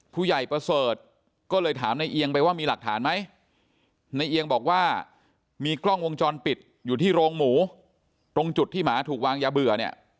ผู้ใหญ่ประเสริฐก็เลยถามในเอียงไปว่ามีหลักฐานไหมในเอียงบอกว่ามีกล้องวงจรปิดอยู่ที่โรงหมูตรงจุดที่หมาถูกวางยาเบื่อเนี่ย